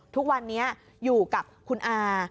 ทุกวันนี้อยู่กับคุณอา